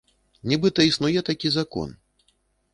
Нібыта існуе такі закон.